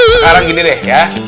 sekarang gini deh ya